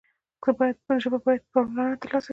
ژبه باید پاملرنه ترلاسه کړي.